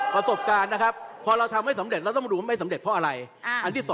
เพราะฉะนั้นตรงนี้ก็จะช่วยเสริมเราในอนาคตได้